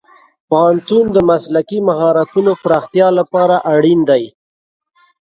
پوهنتون د مسلکي مهارتونو پراختیا لپاره اړین دی.